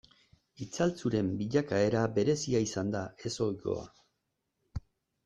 Itzaltzuren bilakaera berezia izan da, ez ohikoa.